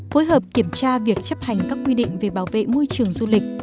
phối hợp kiểm tra việc chấp hành các quy định về bảo vệ môi trường du lịch